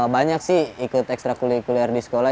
banyak sih ikut ekstra kulikuler di sekolah